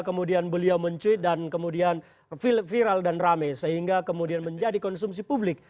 kemudian beliau mencuit dan kemudian viral dan rame sehingga kemudian menjadi konsumsi publik